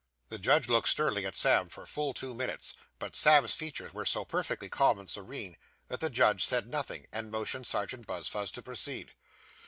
The judge looked sternly at Sam for full two minutes, but Sam's features were so perfectly calm and serene that the judge said nothing, and motioned Serjeant Buzfuz to proceed.